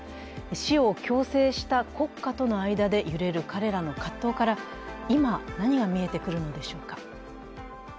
死を強制した国家との間で揺れる彼らの葛藤から今、何が見えてくるのでしょうか。